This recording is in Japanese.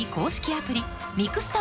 アプリ